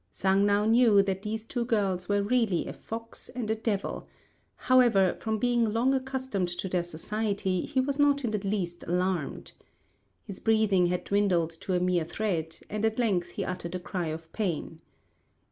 Sang now knew that these two girls were really a fox and a devil; however, from being long accustomed to their society, he was not in the least alarmed. His breathing had dwindled to a mere thread, and at length he uttered a cry of pain.